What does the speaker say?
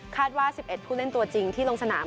ว่า๑๑ผู้เล่นตัวจริงที่ลงสนาม